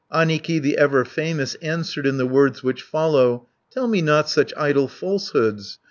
Annikki, the ever famous, Answered in the words which follow: "Tell me not such idle falsehoods!